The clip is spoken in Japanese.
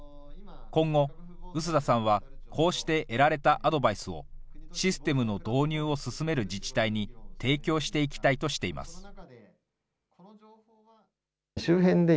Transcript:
今後、臼田さんはこうして得られたアドバイスを、システムの導入を進める自治体に提供していきたいとしています。